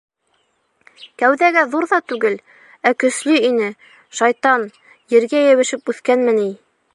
Кәүҙәгә ҙур ҙа түгел, ә көслө ине, шайтан, ергә йәбешеп үҫкәнме ни.